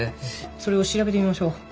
それを調べてみましょう。